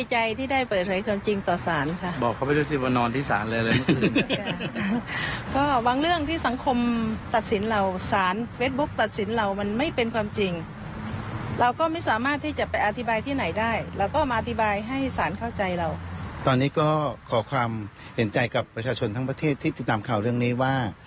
เห็นใจกับประชาชนทั้งประเทศที่ติดตามข่าวเรื่องนี้ว่า